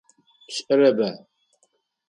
Пшӏэрэба?